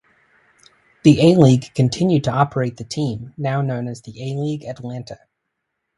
The A-League continued to operate the team, now known as the A-League Atlanta.